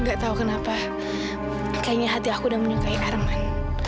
gak tahu kenapa kayaknya hati aku udah menyukai arman